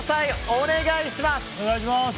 お願いします！